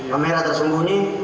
kamera tersungguh ini